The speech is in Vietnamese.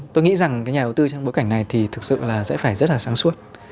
tôi nghĩ rằng nhà đầu tư trong bối cảnh này thì thực sự là sẽ phải rất là sáng suốt